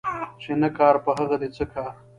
چي نه کار په هغه دي څه کار